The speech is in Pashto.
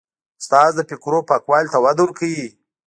استاد د فکرونو پاکوالي ته وده ورکوي.